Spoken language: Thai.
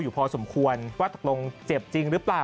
อยู่พอสมควรว่าตกลงเจ็บจริงหรือเปล่า